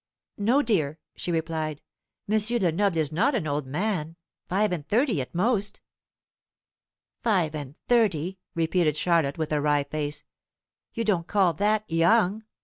"No, dear," she replied. "M. Lenoble is not an old man five and thirty at most." "Five and thirty!" repeated Charlotte, with a wry face; "you don't call that young?